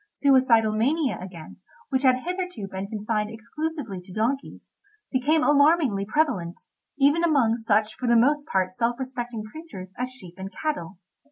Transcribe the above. Suicidal mania, again, which had hitherto been confined exclusively to donkeys, became alarmingly prevalent even among such for the most part self respecting creatures as sheep and cattle.